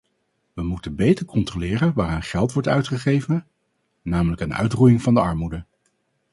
We moeten beter controleren waaraan geld wordt uitgegeven, namelijk aan uitroeiing van de armoede.